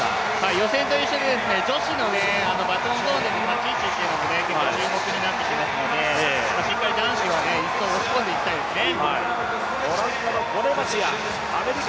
予選と一緒で女子のバトンを渡すときの立ち位置が注目になってきますので、しっかり男子の１走も押し込んでいきたいですね。